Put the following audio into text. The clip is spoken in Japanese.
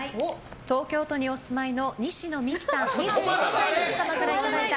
東京都にお住まいの西野未姫さん２４歳の奥様からいただいた